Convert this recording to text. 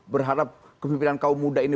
berharap kepemimpinan kaum muda ini